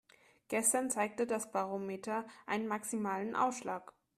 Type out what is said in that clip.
Gestern zeigte das Barometer einen maximalen Ausschlag.